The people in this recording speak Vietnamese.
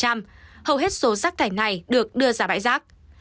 hầu hết số rác thải này được đưa ra bãi rác